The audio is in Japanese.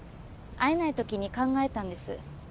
会えない時に考えたんです